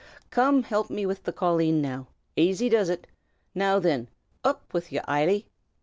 Come, help me wid the colleen, now. Aisy does it! Now, thin, oop wid ye, Eily!"